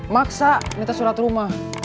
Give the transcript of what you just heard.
maksa minta surat rumah